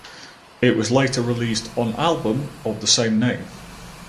It was later released on album of the same name.